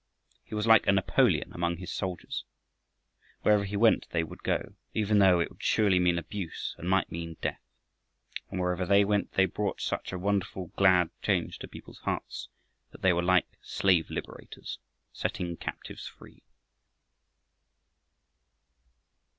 He was like a Napoleon among his soldiers. Wherever he went they would go, even though it would surely mean abuse and might mean death. And, wherever they went, they brought such a wonderful, glad change to people's hearts that they were like slave liberators setting captives free.